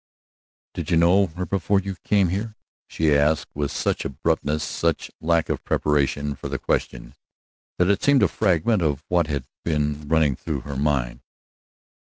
"Did you know her before you came here?" she asked, with such abruptness, such lack of preparation for the question, that it seemed a fragment of what had been running through her mind.